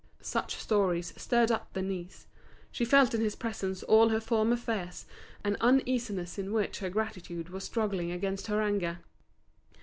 Such stories stirred up Denise, she felt in his presence all her former fears, an uneasiness in which her gratitude was struggling against her anger.